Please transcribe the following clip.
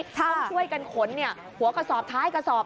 ต้องช่วยกันขนหัวกระสอบท้ายกระสอบ